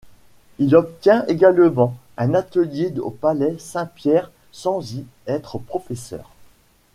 Il obtiend également un atelier au Palais Saint-Pierre sans y être professeur.